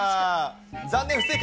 残念、不正解。